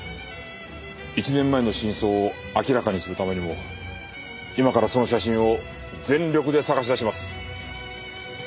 １年前の真相を明らかにするためにも今からその写真を全力で捜し出します。